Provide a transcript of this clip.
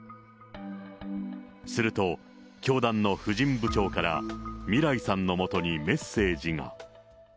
すると、教団の婦人部長からみらいさんのもとにメッセージが。